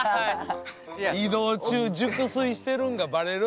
移動中熟睡してるんがバレる。